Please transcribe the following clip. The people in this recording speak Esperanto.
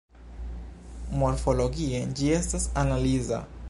Morfologie, ĝi estas analiza.